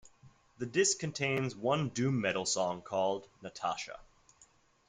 The disc contains one doom metal song called "Natasha".